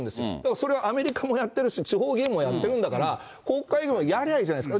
それはアメリカもやってるし、地方議員もやってるんだから、国会でもやりゃいいじゃないですか。